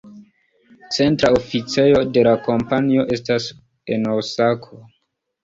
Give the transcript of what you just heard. Centra oficejo de la kompanio estas en Osako.